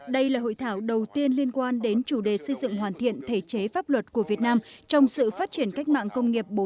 đây là hội thảo đầu tiên liên quan đến chủ đề xây dựng hoàn thiện thể chế pháp luật của việt nam trong sự phát triển cách mạng công nghiệp bốn